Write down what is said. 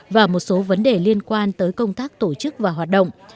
và một số vấn đề liên quan tới công tác tổ chức và hoạt động